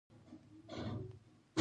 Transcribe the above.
د نجونو تعلیم د ماشوم کار مخه نیسي.